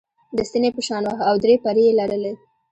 د ستنې په شان وه او درې پرې یي لرلې.